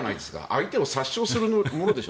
相手を殺傷するものでしょ。